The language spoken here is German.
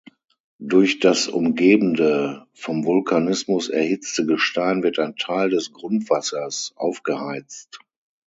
Durch das umgebende vom Vulkanismus erhitzte Gestein wird ein Teil des Grundwassers aufgeheizt.